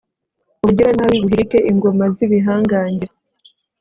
ubugiranabi buhirike ingoma z'ibihangange